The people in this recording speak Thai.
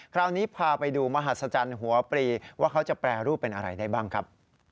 คราวนี้พาไปดูมหัศจรรย์หัวปรีว่าเขาจะแปรรูปเป็นอะไรได้บ้างครับ